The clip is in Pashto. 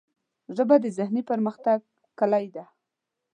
ژبه د ذهني پرمختګ کلۍ ده